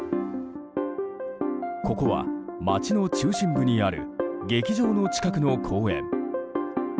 ここは、街の中心部にある劇場の近くの公園。